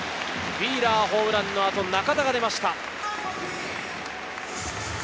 ウィーラーのホームランの後、中田が出ました。